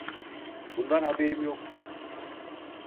Bundan haberim yoktu.